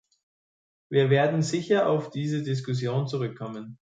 Wir werden sicher auf diese Diskussion zurückkommen.